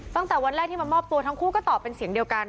ตั้งแต่วันแรกที่มามอบตัวทั้งคู่ก็ตอบเป็นเสียงเดียวกัน